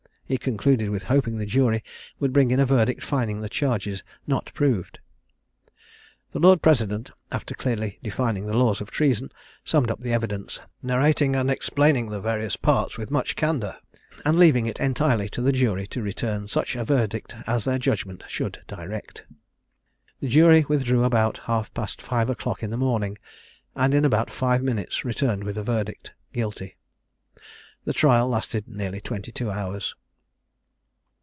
He concluded with hoping the jury would bring in a verdict finding the charges not proved. The Lord President, after clearly defining the laws of treason, summed up the evidence, narrating and explaining the various parts with much candour, and leaving it entirely to the jury to return such a verdict as their judgment should direct. The jury withdrew about half past five o'clock in the morning, and in about five minutes returned with a verdict Guilty. The trial lasted nearly twenty two hours.